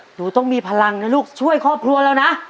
หนูต้องมีพลังนะลูกช่วยครอบครัวเรานะ